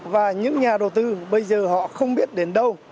và những nhà đầu tư bây giờ họ không biết đến đâu